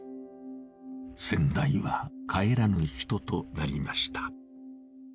先代は帰らぬ人となりました。